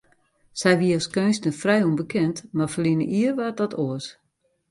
Sy wie as keunstner frij ûnbekend, mar ferline jier waard dat oars.